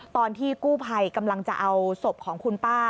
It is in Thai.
ตอนที่กู้ภัยกำลังจะเอาศพของคุณป้า